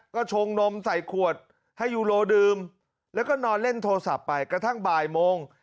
ก็ชงนมใส่ขวดให้ยูโรดื่มแล้วก็นอนเล่นโทรศัพท์ไปกระทั่งบ่ายโมง